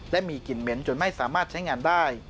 และมีกลิ่นเหม็นจนไม่สามารถใช้งานได้